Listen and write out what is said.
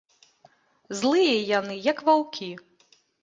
Злыя яны, як ваўкі.